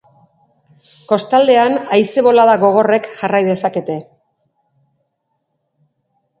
Kostaldean, haize-bolada gogorrek jarrai dezakete.